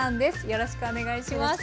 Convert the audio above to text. よろしくお願いします。